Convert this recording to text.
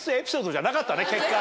結果。